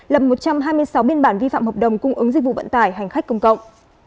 lập một trăm hai mươi sáu biên bản vi phạm hợp đồng cung ứng dịch vụ vận tải hành khách công cộng